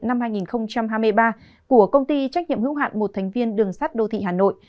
năm hai nghìn hai mươi ba của công ty trách nhiệm hữu hạn một thành viên đường sắt đô thị hà nội